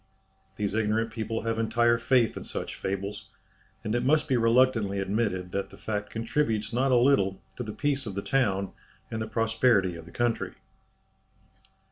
These ignorant people have entire faith in such fables, and it must be reluctantly admitted that the fact contributes not a little to the peace of the town and the prosperity of the country.